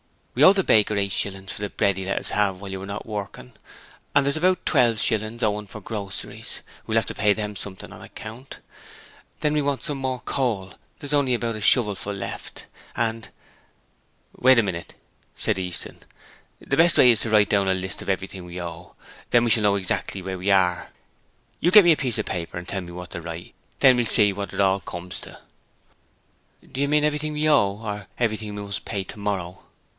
'We owe the baker eight shillings for the bread he let us have while you were not working, and there's about twelve shillings owing for groceries. We'll have to pay them something on account. Then we want some more coal; there's only about a shovelful left, and ' 'Wait a minnit,' said Easton. 'The best way is to write out a list of everything we owe; then we shall know exactly where we are. You get me a piece of paper and tell me what to write. Then we'll see what it all comes to.' 'Do you mean everything we owe, or everything we must pay tomorrow.'